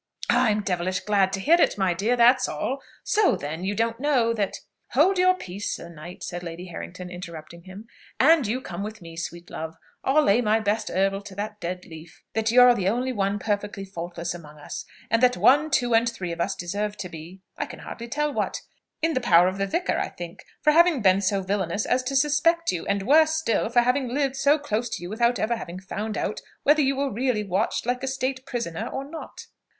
"I am devilish glad to hear it, my dear, that's all. So, then, you don't know that " "Hold your peace, Sir Knight," said Lady Harrington, interrupting him. "And you come with me, sweet love. I'll lay my best herbal to that dead leaf, that you are the only one perfectly faultless among us; and that one, two, and three of us deserve to be I can hardly tell what in the power of the vicar, I think, for having been so villanous as to suspect you; and worse still, for having lived so close to you without ever having found out whether you were really watched like a state prisoner or not."